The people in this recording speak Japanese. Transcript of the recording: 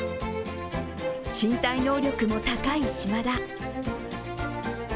身体能力も高い島田。